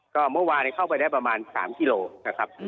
ก็เมื่อวานเข้าไปได้ประมาณ๓กิโลนะครับ